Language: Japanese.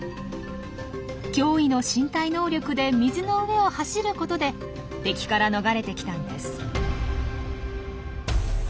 驚異の身体能力で水の上を走ることで敵から逃れてきたんです。